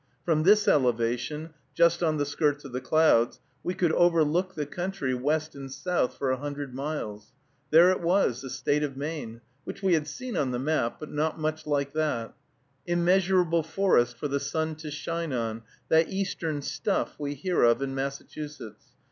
From this elevation, just on the skirts of the clouds, we could overlook the country, west and south, for a hundred miles. There it was, the State of Maine, which we had seen on the map, but not much like that, immeasurable forest for the sun to shine on, that eastern stuff we hear of in Massachusetts.